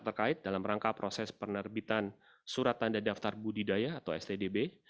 terkait dalam rangka proses penerbitan surat tanda daftar budidaya atau stdb